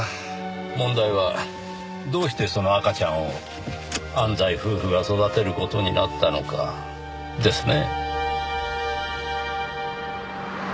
問題はどうしてその赤ちゃんを安西夫婦が育てる事になったのかですね。